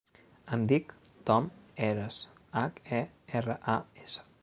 Em dic Tom Heras: hac, e, erra, a, essa.